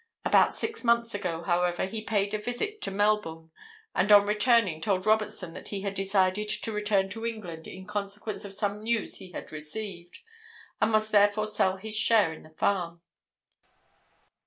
About six months ago, however, he paid a visit to Melbourne, and on returning told Robertson that he had decided to return to England in consequence of some news he had received, and must therefore sell his share in the farm.